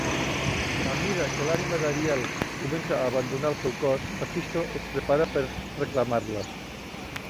A mida que l'ànima d'Ariel comença a abandonar el seu cos, Mephisto es prepara per reclamar-la.